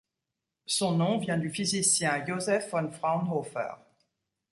Son nom vient du physicien Joseph von Fraunhofer.